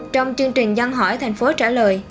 trong chương trình dân hỏi thành phố trả lời